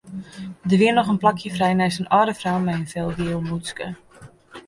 Der wie noch in plakje frij neist in âlde frou mei in felgiel mûtske.